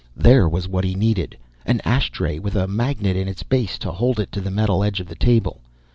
There was what he needed. An ashtray with a magnet in its base to hold it to the metal edge of the table.